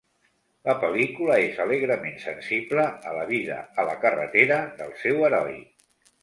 La pel·lícula és alegrement sensible a la vida a la carretera del seu heroi.